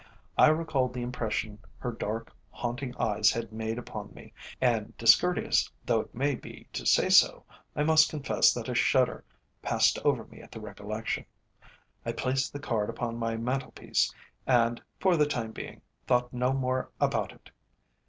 I recalled the impression her dark haunting eyes had made upon me, and, discourteous though it may be to say so, I must confess that a shudder passed over me at the recollection. I placed the card upon my mantel piece, and, for the time being, thought no more about it.